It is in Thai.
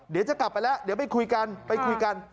เดี๋ยวจะกลับไปแล้วเดี๋ยวไปคุยกันไปคุยกัน